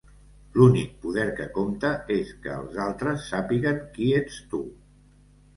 L'únic poder que compta és que els altres sàpiguen qui ets tu.